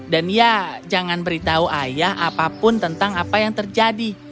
dan ya jangan beritahu ayah apapun tentang apa yang terjadi